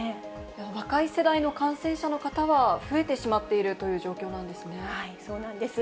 若い世代の感染者の方は増えてしまっているという状況なんでそうなんです。